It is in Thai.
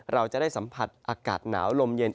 เราจะได้สัมผัสอากาศหนาวลมเย็น